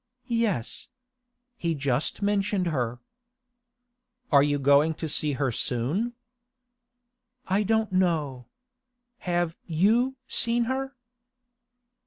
'Yes. He just mentioned her.' 'Are you going to see her soon?' 'I don't know. Have you seen her?